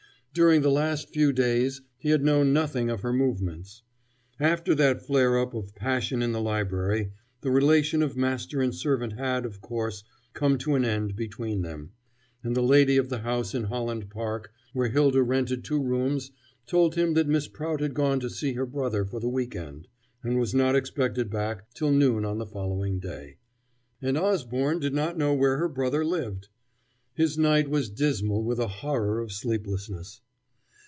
During the last few days he had known nothing of her movements. After that flare up of passion in the library, the relation of master and servant had, of course, come to an end between them; and the lady of the house in Holland Park where Hylda rented two rooms told him that Miss Prout had gone to see her brother for the weekend, and was not expected back till noon on the following day. And Osborne did not know where her brother lived! His night was dismal with a horror of sleeplessness.